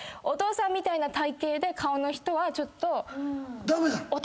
お父さんみたいな体形で顔の人はちょっと。